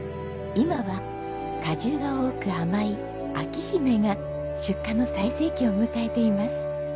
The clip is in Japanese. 今は果汁が多く甘いあきひめが出荷の最盛期を迎えています。